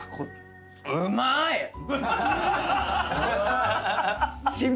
「うまい！」